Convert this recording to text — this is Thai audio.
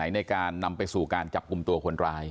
ในการนำไปสู่การจับกลุ่มตัวคนร้าย